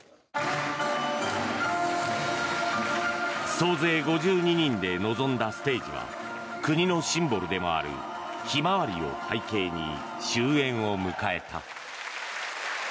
総勢５２人で臨んだステージは国のシンボルでもあるヒマワリを背景に終演を迎えた。